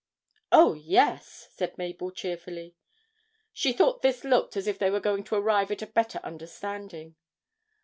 'Oh, yes,' said Mabel, cheerfully. She thought this looked as if they were going to arrive at a better understanding.